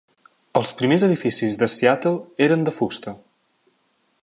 Els primers edificis de Seattle eren de fusta.